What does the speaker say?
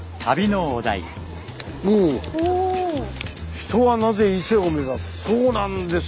「人はなぜ、伊勢を目指す？」。